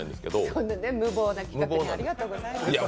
そんなね、無謀な企画にありがとうございます。